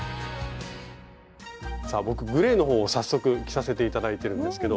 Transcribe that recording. さあ僕グレーのほうを早速着させて頂いてるんですけど